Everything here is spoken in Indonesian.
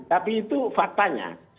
tapi itu faktanya